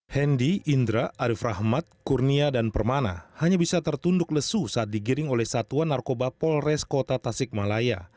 hendi indra arief rahmat kurnia dan permana hanya bisa tertunduk lesu saat digiring oleh satuan narkoba polres kota tasikmalaya